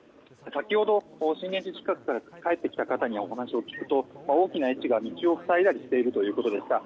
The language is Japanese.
先ほど、震源地近くから帰ってきた方にお話を聞くと大きな石が道を塞いだりしているということでした。